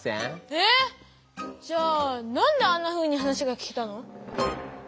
え⁉じゃあ何であんなふうに話が聞けたの？